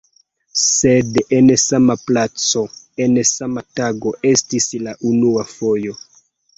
Sed en sama placo, en sama tago estis la unua fojo.